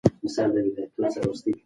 خوب به دی ډېر ژر یوې بلې نړۍ ته یوسي.